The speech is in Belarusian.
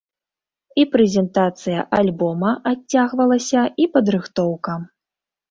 І прэзентацыя альбома адцягвалася і падрыхтоўка.